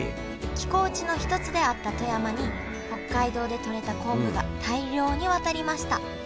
寄港地の一つであった富山に北海道でとれた昆布が大量に渡りました。